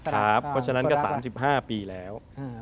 เพราะฉะนั้นก็๓๕ปีแล้ว